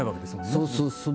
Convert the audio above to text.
そうそう。